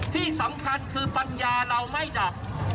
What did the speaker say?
ที่สำคัญคือปัญญาเราไม่ดับ